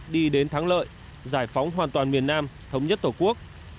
đi đến thắng lợi giải phóng hoàn toàn miền nam thống nhất tổ quốc